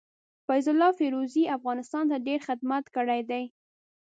فيض الله فيروزي افغانستان ته ډير خدمت کړي دي.